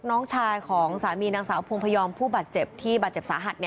น้องชายของสามีนางสาวพงพยอมผู้บาดเจ็บที่บาดเจ็บสาหัส